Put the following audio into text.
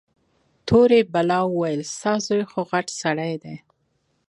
تورې بلا وويل ستا زوى خوغټ سړى دى.